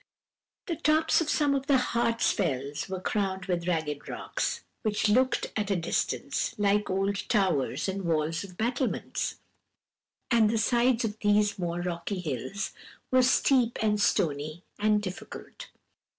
"The tops of some of the Hartsfells were crowned with ragged rocks, which looked, at a distance, like old towers and walls and battlements; and the sides of these more rocky hills were steep and stony and difficult.